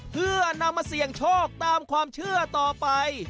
เพื่อนำมาเสี่ยงโชคตามความเชื่อต่อไป